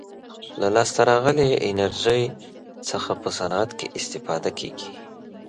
له لاسته راغلې انرژي څخه په صنعت کې استفاده کیږي.